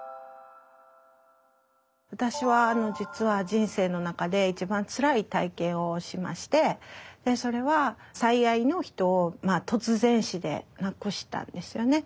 私は実は人生の中で一番つらい体験をしましてそれは最愛の人を突然死で亡くしたんですよね。